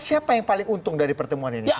siapa yang paling untung dari pertemuan ini